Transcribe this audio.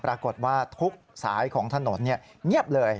ปรากฏว่าทุกสายของถนนเงียบเลย